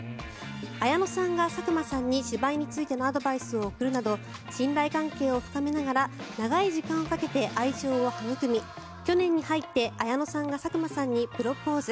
綾野さんが佐久間さんに芝居についてのアドバイスを送るなど信頼関係を深めながら長い時間をかけて愛情を育み去年に入って綾野さんが佐久間さんにプロポーズ。